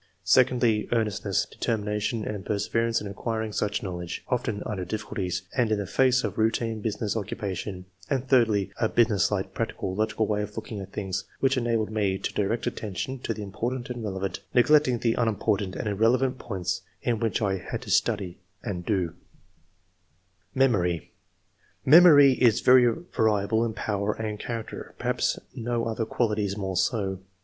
Secondly, earnestness, determination, and perseverance in acquiring such knowledge, often under difficulties, and in the face of routine business occupation; and thirdly, a business like, practical, logical way of looking at things, which enabled me to direct attention to the important and relevant, neglecting the unim portant and irrelevant points in what I had to study and do/' MEMORY. Memory is very variable in power and char acter, perhaps no other quality is more so.